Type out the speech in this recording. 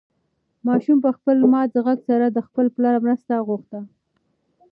ماشوم په خپل مات غږ سره د خپل پلار مرسته وغوښته.